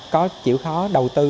có chịu khó đầu tư